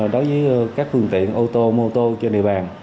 đối với các phương tiện ô tô mô tô trên địa bàn